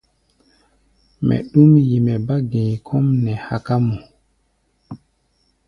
Mɛ ɗúm yi, mɛ bá gɛ̧i̧ kɔ́ʼm nɛ haká mɔ.